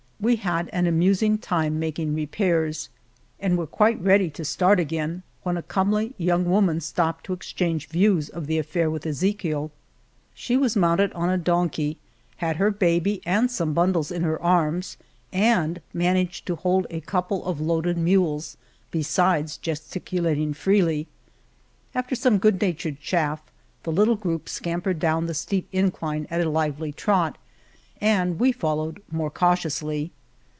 We had an amusing time making repairs, and were quite ready to start again when a rY';^\ ^W^'^^^^ ^^^ >jf n^^.i ■•/i E1^ "■ 97 Monteil comely young woman stopped to exchange views of the affair with Ezechiel She was mounted on a donkey, had her baby and some bundles in her arms and managed to hold a couple of loaded mules, besides gesticulating freely. After some good nat ured chaff the little group scampered down the steep incline at a lively trot, and we followed more cautiously.